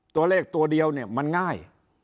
ตัวเลขตัวเดียวเนี่ยมันง่าย